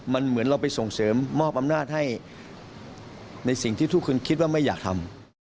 มันเหมือนเราไปส่งเสริมมอบอำนาจให้ในสิ่งที่ทุกคนคิดว่าไม่อยากทำ